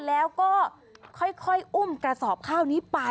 แล้วก็ค่อยอุ้มกระสอบข้าวนี้ไป